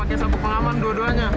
iman juanda bogor jawa barat